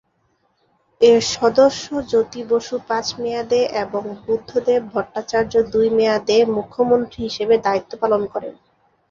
এর সদস্য জ্যোতি বসু পাঁচ মেয়াদে এবং বুদ্ধদেব ভট্টাচার্য দুই মেয়াদে মুখ্যমন্ত্রী হিসেবে দায়িত্ব পালন করেন।